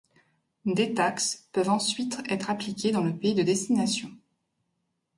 Des taxes peuvent ensuite être appliquées dans le pays de destination.